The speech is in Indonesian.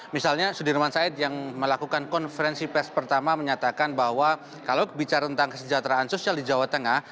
misalnya sudirman said yang melakukan konferensi pers pertama menyatakan bahwa kalau bicara tentang kesejahteraan sosial di jawa tengah